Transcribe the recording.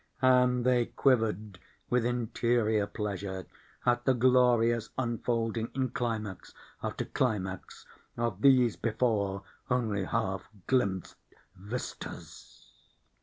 And they quivered with interior pleasure at the glorious unfolding in climax after climax of these before only half glimpsed vistas.